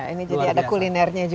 ini jadi ada kulinernya juga